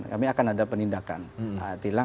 kami akan ada penindakan